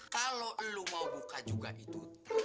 kalau lo mau buka juga itu